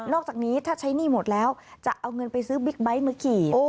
อกจากนี้ถ้าใช้หนี้หมดแล้วจะเอาเงินไปซื้อบิ๊กไบท์มาขี่